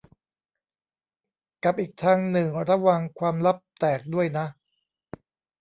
กับอีกทางหนึ่งระวังความลับแตกด้วยนะ